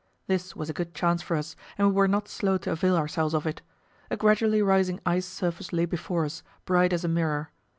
This was a good chance for us, and we were not slow to avail ourselves of it. A gradually rising ice surface lay before us, bright as a mirror.